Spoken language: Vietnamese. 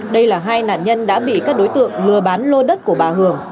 đây là hai nạn nhân đã bị các đối tượng lừa bán lô đất của bà hưởng